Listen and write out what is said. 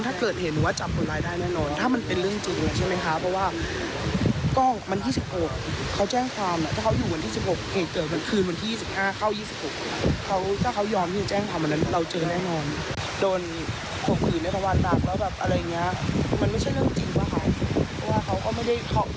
ถ้าเขาโดนอย่างนั้นเขาก็คงบอกให้หนูพาไปโรงพยาบาลแล้วค่ะ